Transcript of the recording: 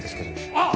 あっ！